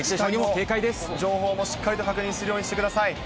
情報もしっかりと確認するようにしてください。